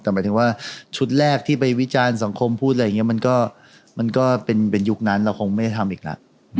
แต่หมายถึงว่าชุดแรกที่ไปวิจารณ์สังคมพูดอะไรอย่างนี้มันก็เป็นยุคนั้นเราคงไม่ได้ทำอีกแล้ว